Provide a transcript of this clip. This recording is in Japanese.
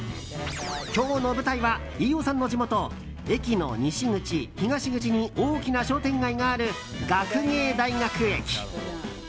今日の舞台は飯尾さんの地元駅の西口、東口に大きな商店街がある学芸大学駅。